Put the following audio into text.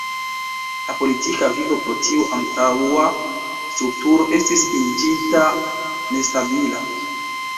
La politika vivo pro tiu antaŭa strukturo estis iĝinta nestabila.